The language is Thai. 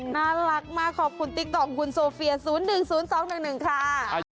น่ารักมากขอบคุณติ๊กต๊อกของคุณโซเฟีย๐๑๐๒๑๑ค่ะ